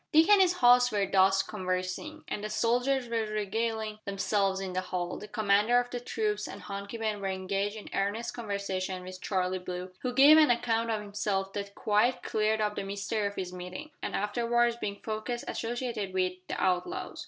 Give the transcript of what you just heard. Dick and his host were thus conversing, and the soldiers were regaling themselves in the hall, the commander of the troops and Hunky Ben were engaged in earnest conversation with Charlie Brooke, who gave an account of himself that quite cleared up the mystery of his meeting, and afterwards being found associated with, the outlaws.